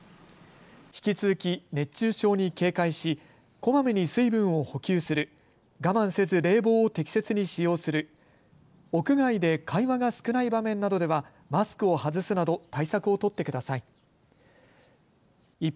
引き続き熱中症に警戒しこまめに水分を補給する、我慢せず冷房を適切に使用する、屋外で会話が少ない場面などではマスクを外すなど対策を取ってください。